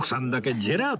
ジェラート。